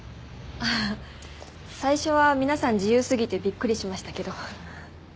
ああ最初は皆さん自由すぎてびっくりしましたけど。